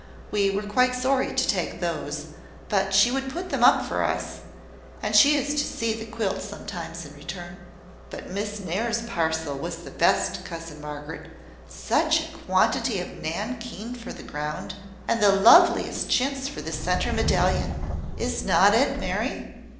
We were quite sorry to take those; but she would put them up for us; and she is to see the quilt sometimes in return." "But Miss Nares's parcel was the best, cousin Margaret. Such a quantity of nankeen for the ground, and the loveliest chintz for the centre medallion! Is not it, Mary?"